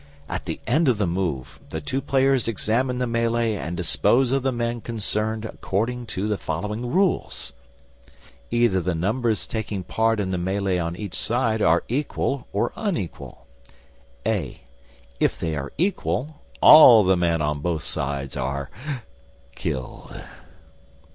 At the end of the move the two players examine the melee and dispose of the men concerned according to the following rules: Either the numbers taking part in the melee on each side are equal or unequal. (a) If they are equal, all the men on both sides are killed.